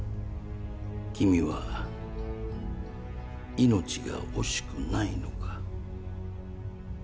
君は命が惜しくないのか？